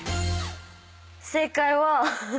正解は。